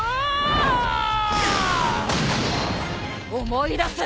思い出せ！